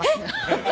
えっ！？